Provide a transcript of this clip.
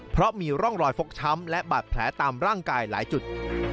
เพราะมีร่องรอยฟกช้ำและบาดแผลตามร่างกายหลายจุด